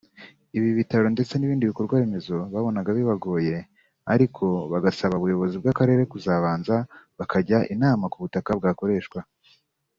ibitaro ndetse n’ibindi bikorwaremezo babonaga bibagoye ariko bagasaba ubuyobozi bw’akarere kuzabanza bakajya inama ku butaka bwakoreshwa